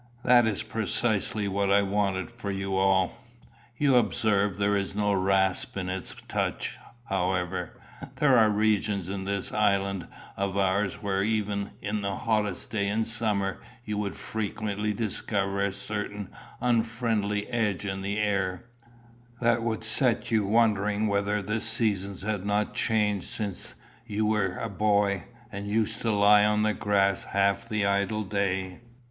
"That is precisely what I wanted for you all. You observe there is no rasp in its touch, however. There are regions in this island of ours where even in the hottest day in summer you would frequently discover a certain unfriendly edge in the air, that would set you wondering whether the seasons had not changed since you were a boy, and used to lie on the grass half the idle day."